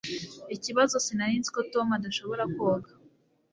Ikibazo sinari nzi ko Tom adashobora koga